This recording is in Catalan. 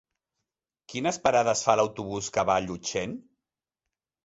Quines parades fa l'autobús que va a Llutxent?